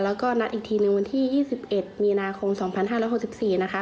แล้วก็นัดอีกทีหนึ่งวันที่๒๑มีนาคม๒๕๖๔นะคะ